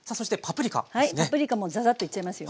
パプリカもザザッといっちゃいますよ。